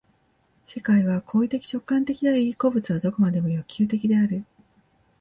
世界は行為的直観的であり、個物は何処までも欲求的である。